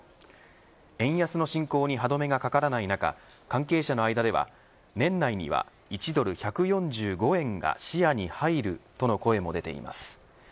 円安の進行に歯止めがかからない中関係者の間では年内には１ドル１４５円が視野に入るとの声も出ています。